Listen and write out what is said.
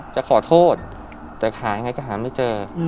จะขอโทษแต่ขายยังไงก็หาไม่เจอ